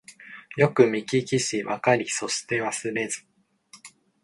よくみききしわかりそしてわすれず